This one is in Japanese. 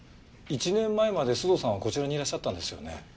１年前まで須藤さんはこちらにいらっしゃったんですよね？